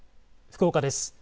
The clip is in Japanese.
福岡です。